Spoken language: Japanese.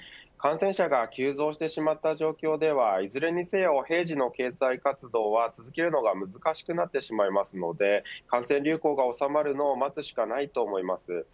感染者が急増してしまった状況ではいずれにせよ平時の経済活動は続けるのが難しくなってしまいますので感染流行がおさまるのを待つしかないと思います。